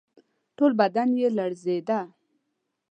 ټول بدن یې لړزېده.